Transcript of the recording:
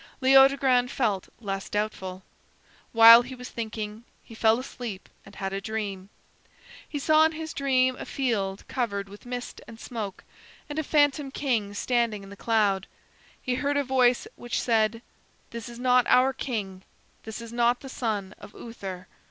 Leodogran felt less doubtful. While he was thinking, he fell asleep and had a dream. He saw in his dream a field covered with mist and smoke, and a phantom king standing in the cloud. He heard a voice which said, "This is not our king; this is not the son of Uther."